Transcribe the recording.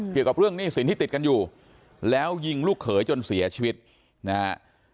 เกี่ยวกับเรื่องหนี้สินที่ติดกันอยู่แล้วยิงลูกเขยจนเสียชีวิตนะฮะ